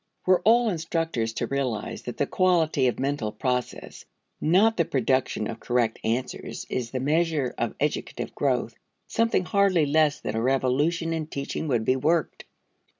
Were all instructors to realize that the quality of mental process, not the production of correct answers, is the measure of educative growth something hardly less than a revolution in teaching would be worked.